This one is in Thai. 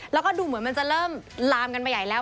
แล้วก็ดูเหมือนมันจะเริ่มลามกันมาใหญ่แล้ว